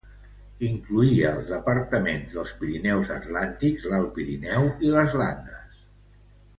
Incloïa els departaments dels Pirineus atlàntics, l'Alt Pirineu i les Landes.